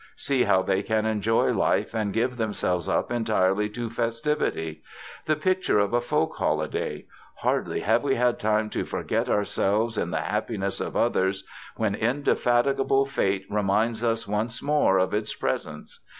See how they can enjoy life and give themselves up entirely to festivity. The picture of a folk holiday. Hardly have we had time to forget ourselves in the happiness of others when indefatigable Fate reminds us once more of its presence.